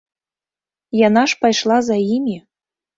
Яна ж пайшла за імі.